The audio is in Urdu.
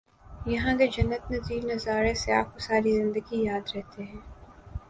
یہاں کے جنت نظیر نظارے سیاح کو ساری زندگی یاد رہتے ہیں